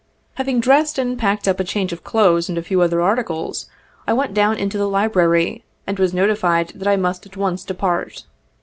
Having dressed and packed up a change of clothes and a few other articles, I went down into the library, and was notified that I must at once depart.